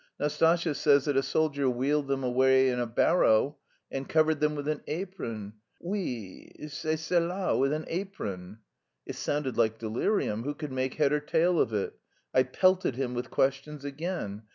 Nastasya says that a soldier wheeled them away in a barrow and covered them with an apron; oui, c'est cela, with an apron." It sounded like delirium. Who could make head or tail of it? I pelted him with questions again.